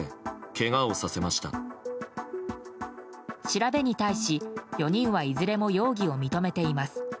調べに対し、４人はいずれも容疑を認めています。